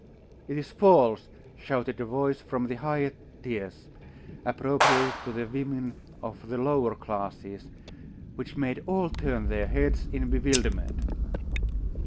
'It is false!' shouted a voice from the highest tiers, appropriated to the women of the lower classes, which made all turn their heads in bewilderment.